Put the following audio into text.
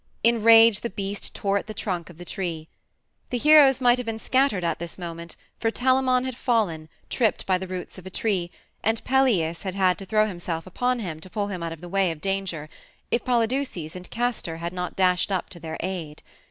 In rage the beast tore at the trunk of the tree. The heroes might have been scattered at this moment, for Telamon had fallen, tripped by the roots of a tree, and Peleus had had to throw himself upon him to pull him out of the way of danger, if Polydeuces and Castor had not dashed up to their aid.